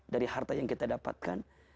dari harta yang kita dapatkan